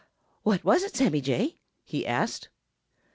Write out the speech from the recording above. "What was it, Sammy Jay?" he asked.